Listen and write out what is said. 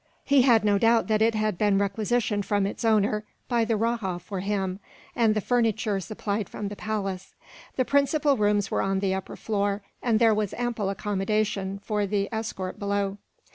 He had no doubt that it had been requisitioned from its owner by the rajah for him, and the furniture supplied from the palace. The principal rooms were on the upper floor, and there was ample accommodation for the escort below.